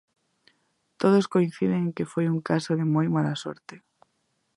Todos coinciden en que foi un caso de moi mala sorte.